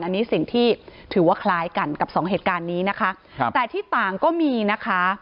อันนี้สิ่งที่ถือว่าคล้ายกันกับสองเหตุการณ์นี้นะคะครับแต่ที่ต่างก็มีนะคะ